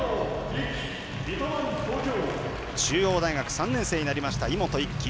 中央大学３年生になりました井本一輝。